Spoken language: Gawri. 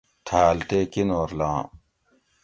تھاۤل تے کِنور لام